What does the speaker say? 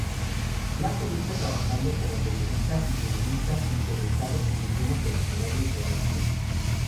Black comienza trabajando como periodista y lingüista interesado en idiomas originarios de Australia.